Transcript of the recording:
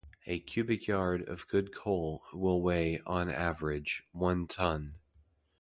A cubic yard of good coal will weigh, on average, one ton.